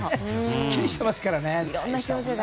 すっきりしていますからね。